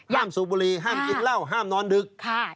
สูบบุหรี่ห้ามกินเหล้าห้ามนอนดึก